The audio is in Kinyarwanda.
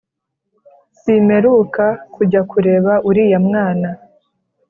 Simeruka kujya kureba uriya mwana